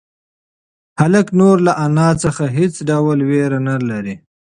هلک نور له انا څخه هېڅ ډول وېره نه لري.